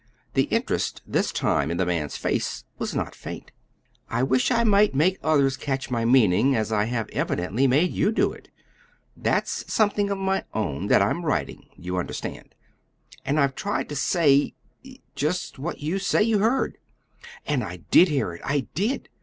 the interest this time in the man's face was not faint "I wish I might make others catch my meaning as I have evidently made you do it! That's something of my own that I'm writing, you understand; and I've tried to say just what you say you heard." "And I did hear it I did!